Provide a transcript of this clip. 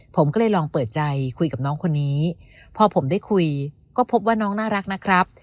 ผมก็เลยลองเปิดใจคุยกับน้องคนนี้พอผมได้คุยก็พบว่าน้องน่ารักนะครับ